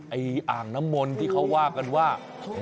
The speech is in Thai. อาห์กน้ำมนต์ที่เค้าว่ากันว่า